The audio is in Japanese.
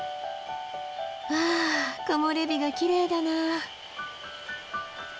わあ木漏れ日がきれいだな。